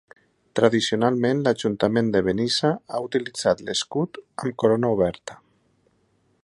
Tradicionalment l'Ajuntament de Benissa ha utilitzat l'escut amb corona oberta.